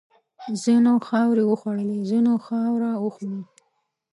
ځینو خاورې وخوړلې، ځینو خاوره وخوړه.